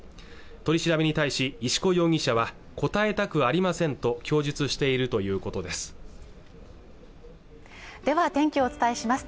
取り調べに対し石河容疑者は答えたくありませんと供述しているということですでは天気をお伝えします